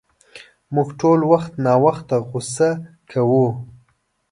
مونږ ټول وخت ناوخته غصه کوو.